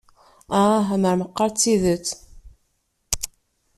Ah, mer meqqar d tidet!